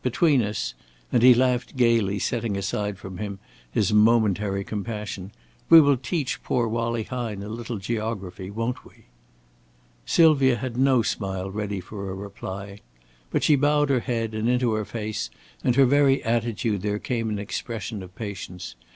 Between us" and he laughed gaily, setting aside from him his momentary compassion "we will teach poor Wallie Hine a little geography, won't we?" Sylvia had no smile ready for a reply. But she bowed her head, and into her face and her very attitude there came an expression of patience.